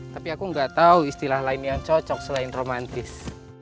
tapi aku nggak tahu istilah lain yang cocok selain romantis